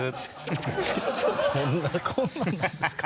こんなんなんですか。